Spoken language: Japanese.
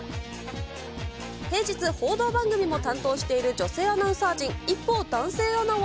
平日、報道番組も担当している女性アナウンサー陣、一方、男性アナは。